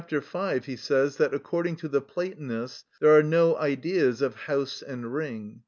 5 he says that, according to the Platonists, there are no Ideas of house and ring.